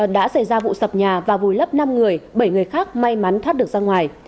đã xảy ra vụ sập nhà và vùi lấp năm người bảy người khác may mắn thoát được ra ngoài